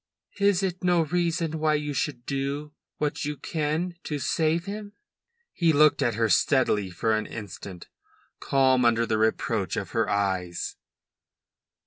"Is it no reason why you should do what you can to save him?" He looked at her steadily for an instant, calm under the reproach of her eyes.